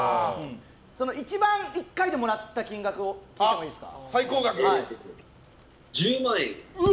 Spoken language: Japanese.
一番１回でもらった金額を聞いてもいいですか？